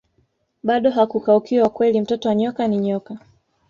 bado hakukaukiwa kweli mtoto wa nyoka ni nyoka